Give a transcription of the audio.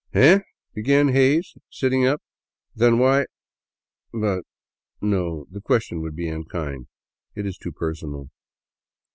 " Eh !" began Hays, sitting up, " Then why ... But, no, the ques tion would be unkind. It is too personal."